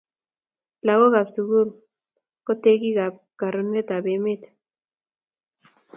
Lakokap sukul ko tekikap karuotitoetap emet